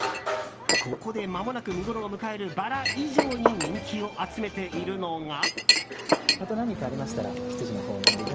ここで間もなく見頃を迎えるバラ以上に人気を集めているのが。